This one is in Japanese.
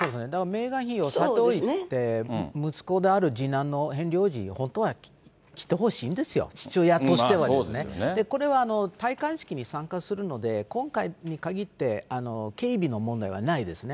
メーガン妃を、息子である次男のヘンリー王子、本当は来てほしいんですよ、父親としてはですね、これは戴冠式に参加するので、今回に限って警備の問題はないですね。